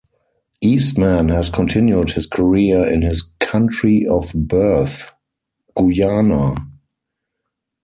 Eastman has continued his career in his country of birth, Guyana.